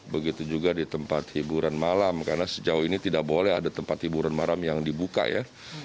begitu juga di tempat hiburan malam karena sejauh ini tidak boleh ada tempat hiburan malam yang dibuka ya